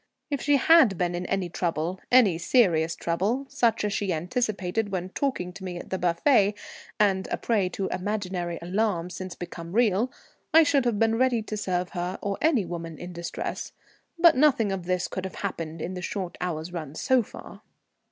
If she had been in any trouble, any serious trouble, such as she anticipated when talking to me at the buffet, and a prey to imaginary alarms since become real, I should have been ready to serve her or any woman in distress, but nothing of this could have happened in the short hour's run so far."